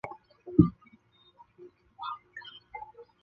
三月卒于琼。